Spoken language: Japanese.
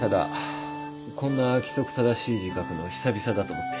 こんな規則正しい字書くの久々だと思って。